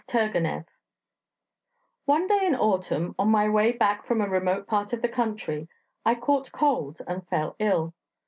TURGENEV One day in autumn on my way back from a remote part of the country I caught cold and fell ill.